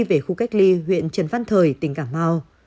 về khu cách ly huyện trần văn thời tỉnh cà mau